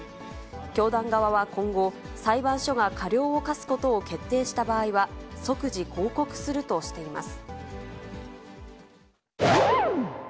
教団側は今後、裁判所が過料を科すことを決定した場合は、即時抗告するとしています。